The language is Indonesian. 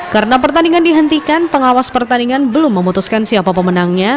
karena pertandingan dihentikan pengawas pertandingan belum memutuskan siapa pemenangnya